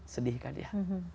sedih kan ya